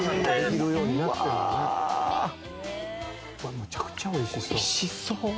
むちゃくちゃおいしそう。